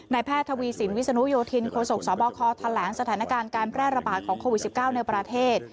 แพทย์ทวีสินวิศนุโยธินโคศกสบคแถลงสถานการณ์การแพร่ระบาดของโควิด๑๙ในประเทศ